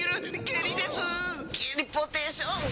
ゲリポーテーション。